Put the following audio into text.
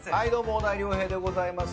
小田井涼平でございます。